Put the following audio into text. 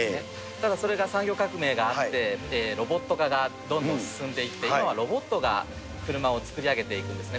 ただそれが産業革命があって、ロボット化がどんどん進んでいって、今はロボットが車を作り上げていくんですね。